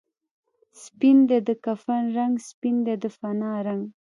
سپین دی د کفن رنګ، سپین دی د فنا رنګ